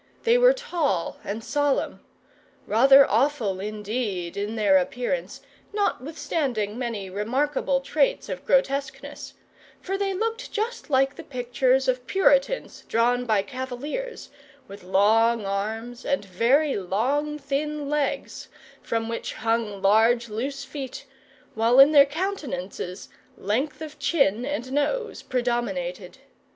They were tall and solemn; rather awful, indeed, in their appearance, notwithstanding many remarkable traits of grotesqueness, for they looked just like the pictures of Puritans drawn by Cavaliers, with long arms, and very long, thin legs, from which hung large loose feet, while in their countenances length of chin and nose predominated.